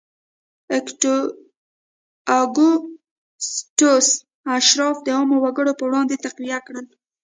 اګوستوس اشراف د عامو وګړو پر وړاندې تقویه کړل.